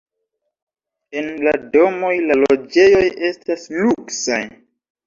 En la domoj la loĝejoj estas luksaj.